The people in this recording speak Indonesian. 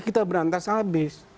kita berantas habis